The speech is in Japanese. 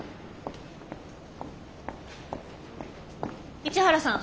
市原さん。